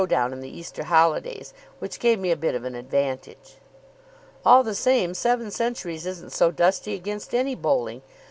down in the Easter holidays, which gave me a bit of an advantage." "All the same, seven centuries isn't so dusty against any bowling.